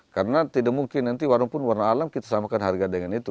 karena tidak mungkin nanti walaupun warna alam kita samakan harga dengan itu